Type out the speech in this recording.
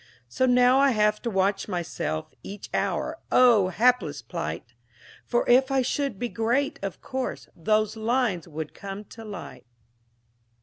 So now I have to watch myself Each hour. Oh, hapless plight! For if I should be great, of course, Those lines would come to light.